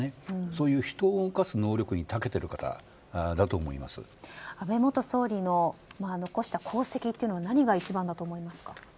そういう人を動かす能力に安倍元総理の残した功績は何が一番だと思いますか。